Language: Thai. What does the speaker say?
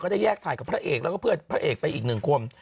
ได้แยกถ่ายกับพระเอกแล้วก็เพื่อนพระเอกไปอีกหนึ่งคน